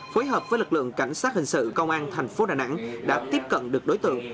phối hợp với lực lượng cảnh sát hình sự công an thành phố đà nẵng đã tiếp cận được đối tượng